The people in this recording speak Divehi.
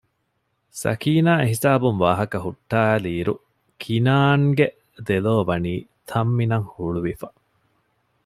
ސަކީނާ އެހިސާބުން ވާހަކަ ހުއްޓައިލިއިރު ކިނާންގެ ދެލޯވަނީ ތަންމިނަށް ހުޅުވިފަ